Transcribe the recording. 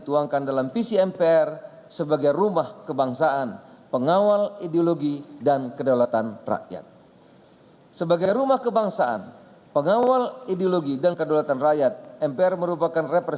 sehingga mpr disebut sebagai lembaga negara yang memiliki kewenangan tertinggi